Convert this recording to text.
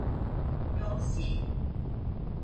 游戏